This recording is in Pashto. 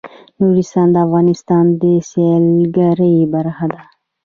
نورستان د افغانستان د سیلګرۍ برخه ده.